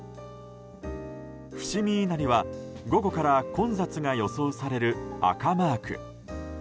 伏見稲荷は午後から混雑が予想される赤マーク。